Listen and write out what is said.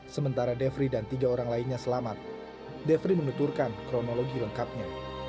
sementara devery dan tiga orang lainnya selamat defri menuturkan kronologi lengkapnya